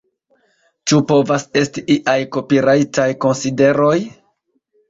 Ĉu povas esti iaj kopirajtaj konsideroj?